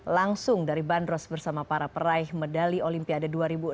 langsung dari bandros bersama para peraih medali olimpiade dua ribu enam belas